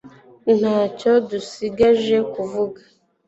ntacyo dusigaje kuvuga